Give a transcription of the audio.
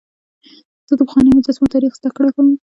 زه د پخوانیو مجسمو تاریخ زدهکړه کوم.